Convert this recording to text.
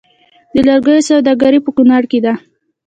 د لرګیو سوداګري په کنړ کې ده